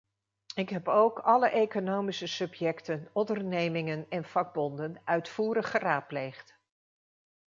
Ik heb ook alle economische subjecten, ondernemingen en vakbonden, uitvoerig geraadpleegd.